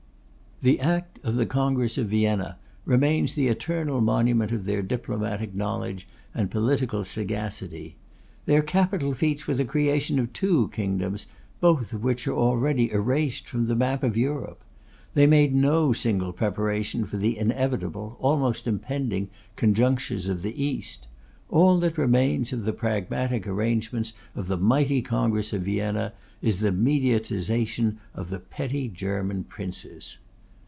The act of the Congress of Vienna remains the eternal monument of their diplomatic knowledge and political sagacity. Their capital feats were the creation of two kingdoms, both of which are already erased from the map of Europe. They made no single preparation for the inevitable, almost impending, conjunctures of the East. All that remains of the pragmatic arrangements of the mighty Congress of Vienna is the mediatisation of the petty German princes.